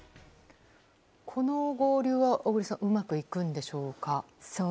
この合流は、小栗さんうまくいくんでしょうか？